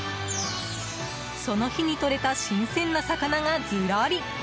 その日にとれた新鮮な魚がずらり。